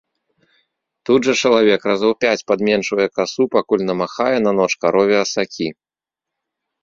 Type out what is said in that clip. Тут жа чалавек разоў пяць падменчвае касу, пакуль намахае на ноч карове асакі.